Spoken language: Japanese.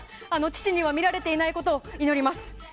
父には見られていないことを祈ります。